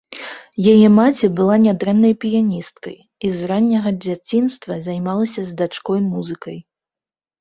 Яе маці была нядрэннай піяністкай і з ранняга дзяцінства займалася з дачкой музыкай.